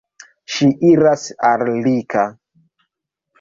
Ŝi iras al Rika.